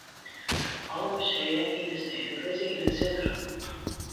Alle musea yn 'e stêd lizze yn it sintrum.